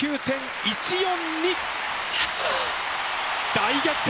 大逆転！